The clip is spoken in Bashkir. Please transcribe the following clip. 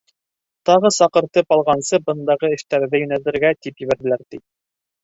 Тағы саҡыртып алғансы, бындағы эштәрҙе йүнәтергә тип ебәрҙеләр, ти.